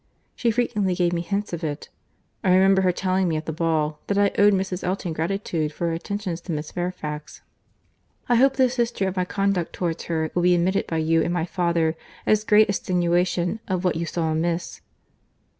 She frequently gave me hints of it. I remember her telling me at the ball, that I owed Mrs. Elton gratitude for her attentions to Miss Fairfax.—I hope this history of my conduct towards her will be admitted by you and my father as great extenuation of what you saw amiss.